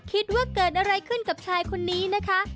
คิดว่าเกิดอะไรขึ้นกับชายคนนี้นะคะ